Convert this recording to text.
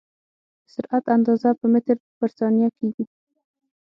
د سرعت اندازه په متر پر ثانیه کېږي.